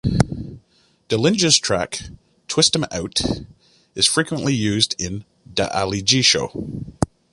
Dillinja's track "Twist Em' Out" is frequently used in "Da Ali G Show".